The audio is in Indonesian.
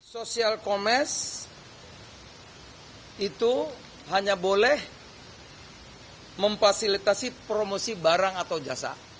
social commerce itu hanya boleh memfasilitasi promosi barang atau jasa